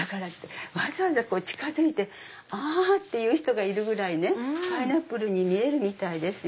わざわざ近づいて「あ」っていう人がいるぐらいパイナップルに見えるみたいです。